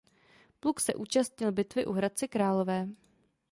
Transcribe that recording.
Pluk se účastnil bitvy u Hradce Králové.